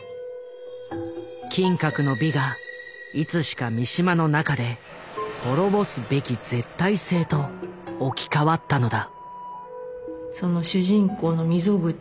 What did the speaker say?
「金閣の美」がいつしか三島の中で「滅ぼすべき絶対性」と置き換わったのだ。